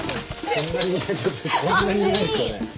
こんなにこんなにいないですよね。